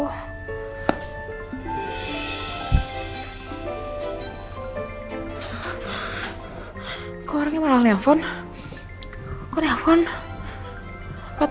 aku harus jawab apa enggak ya pertanyaan andi di rumah sakit